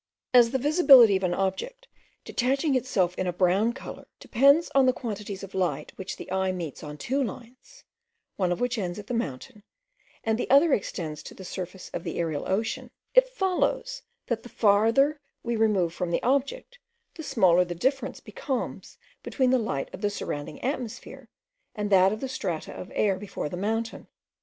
As the visibility of an object detaching itself in a brown colour, depends on the quantities of light which the eye meets on two lines, one of which ends at the mountain, and the other extends to the surface of the aerial ocean, it follows that the farther we remove from the object, the smaller the difference becomes between the light of the surrounding atmosphere, and that of the strata of air before the mountain.